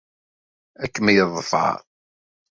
Ad kem-yeḍfer.